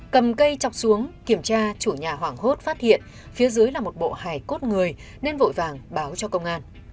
cầm cây chọc xuống kiểm tra chủ nhà hoảng hốt phát hiện phía dưới là một bộ hải cốt người nên vội vàng báo cho công an